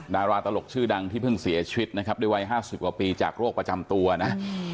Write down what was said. ดาราตลกชื่อดังที่เพิ่งเสียชีวิตนะครับด้วยวัย๕๐กว่าปีจากโรคประจำตัวนะ